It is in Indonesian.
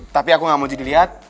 tapi aku gak mau jadi lihat